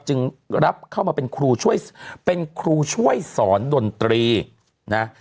จึงรับเข้ามาเป็นครูช่วยเป็นครูช่วยสอนดนตรีนะ